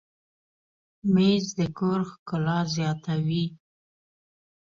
مېز د کور ښکلا زیاتوي.